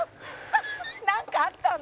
「なんかあったの？」